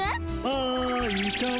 あいちゃん。